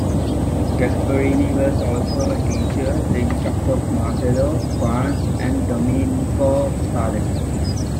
Gasparini was also a teacher, the instructor of Marcello, Quantz and Domenico Scarlatti.